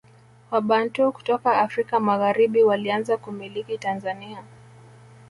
Wabantu kutoka Afrika Magharibi walianza kumiliki Tanzania